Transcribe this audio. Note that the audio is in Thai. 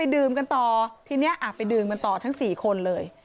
ดื่มกันต่อทีนี้ไปดื่มกันต่อทั้ง๔คนเลย